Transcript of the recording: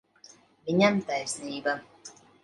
Viņam taisnība.